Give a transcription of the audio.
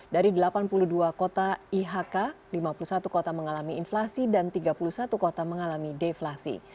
dari delapan puluh dua kota ihk lima puluh satu kota mengalami inflasi dan tiga puluh satu kota mengalami deflasi